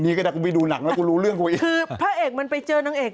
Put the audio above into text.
แล้วกูไปดูหนังแล้วกูรู้เรื่องกูอีกคือผู้เราเป็นไปเจอนางเอก